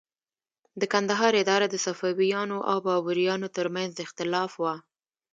د کندهار اداره د صفویانو او بابریانو تر منځ د اختلاف وه.